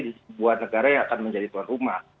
jadi dua negara yang akan menjadi tuan rumah